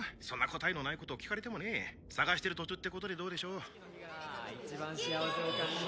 そんな答えのないことを聞かれてもねえ探してる途中ってことでどうでしょう給料日！